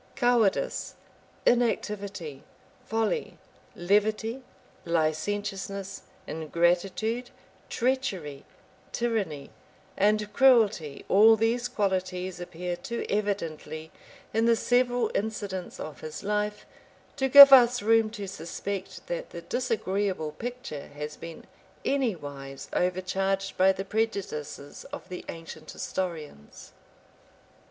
Cowardice, inactivity, folly, levity licentiousness, ingratitude, treachery, tyranny, and cruelty all these qualities appear too evidently in the several incidents of his life, to give us room to suspect that the disagreeable picture has been anywise overcharged by the prejudices of the ancient historians.